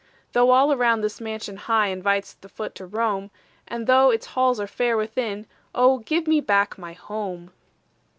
Though all around this mansion high Invites the foot to roam, And though its halls are fair within Oh, give me back my HOME!